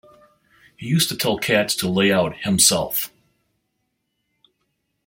He used to tell cats to lay out himself.